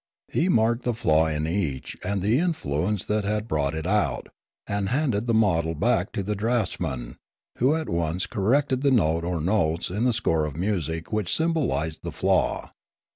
He marked the flaw in each and the influence that had brought it out, and handed the model back to the draughtsman, who at once corrected the note or notes in the score of music which symbolised the flaw.